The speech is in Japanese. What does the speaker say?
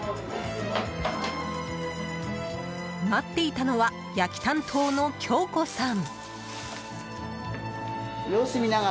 待っていたのは焼き担当の京子さん。